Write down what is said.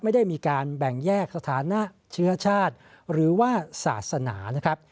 ไม่ได้มีการแบ่งแยกสถานะเชื้อชาติหรือว่าศาสนานะครับ